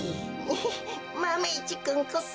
フッマメ１くんこそ。